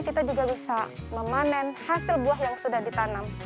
kita juga bisa memanen hasil buah yang sudah ditanam